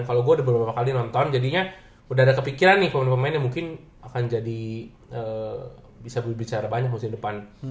kalau gue udah beberapa kali nonton jadinya udah ada kepikiran nih pemain pemain yang mungkin akan jadi bisa berbicara banyak musim depan